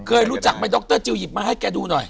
เคยรู้จักมาอดรตเจี๊ยวหยิบมาให้ดูหน่อย